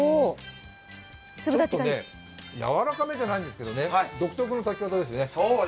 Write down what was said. ちょっとね、やわらかめじゃないんですけどね、独特の炊き方ですね。